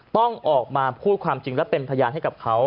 ต้องออกมาพูดความจริงและเป็นพยานให้กับเขา